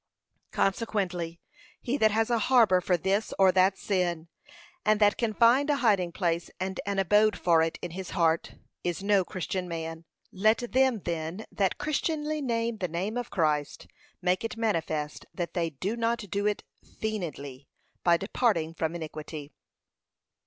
Consequently, he that has a harbour for this or that sin, and that can find a hiding place and an abode for it in his heart, is no Christian man. Let them then that christianly name the name of Christ, make it manifest that they do not do it feignedly, by departing from iniquity.